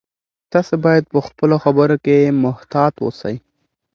تاسي باید په خپلو خبرو کې محتاط اوسئ.